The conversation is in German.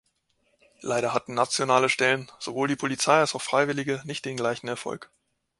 Leider hatten nationale Stellen, sowohl die Polizei als auch Freiwillige, nicht den gleichen Erfolg.